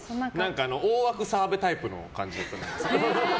大枠、澤部タイプの感じ。